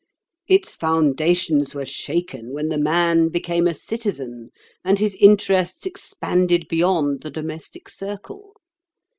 Its foundations were shaken when the man became a citizen and his interests expanded beyond the domestic circle.